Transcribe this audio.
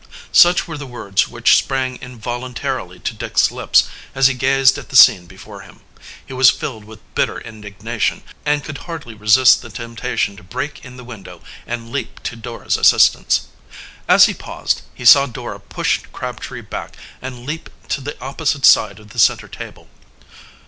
Such were the words which sprang involuntarily to Dick's lips as he gazed at the scene before him. He was filled with bitter indignation and could hardly resist the temptation to break in the window and leap to Dora's assistance. As he paused, he saw Dora push Crabtree back and leap to the opposite side of the center table.